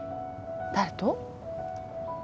誰と？